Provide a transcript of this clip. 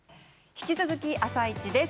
引き続き「あさイチ」です。